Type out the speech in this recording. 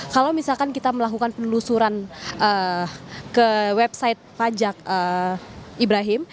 kalau misalkan kita melakukan penelusuran ke website pajak ibrahim